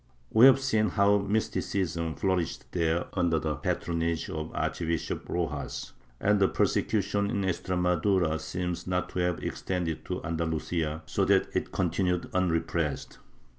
We have seen how mysticism flourished there under the patronage of Archbishop Rojas, and the persecution in Extremadura seems not to have extended to Andalusia, so that it continued unrepressed.